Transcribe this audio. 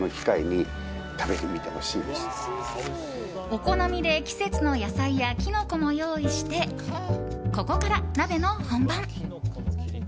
お好みで季節の野菜やキノコも用意してここから鍋の本番。